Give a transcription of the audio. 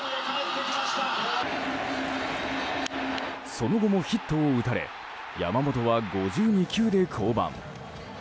その後もヒットを打たれ山本は５２球で降板。